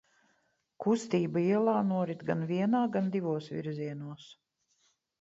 Kustība ielā norit gan vienā, gan divos virzienos.